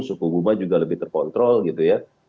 suku bunga juga lebih terkontrol gitu ya